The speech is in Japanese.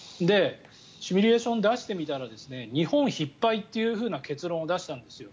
シミュレーションを出してみたら日本必敗という結論を出したんですよ。